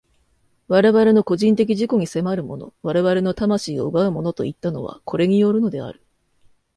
我々の個人的自己に迫るもの、我々の魂を奪うものといったのは、これによるのである。